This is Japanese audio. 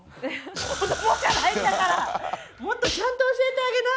もっとちゃんと教えてあげな！